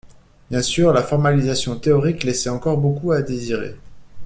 Bien sûr, la formalisation théorique laissait encore beaucoup à désirer.